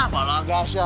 malah gas ya